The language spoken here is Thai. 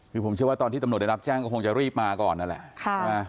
คือผมเชื่อว่าตอนที่ตำรวจได้รับแจ้งก็คงจะรีบมาก่อนนั่นแหละ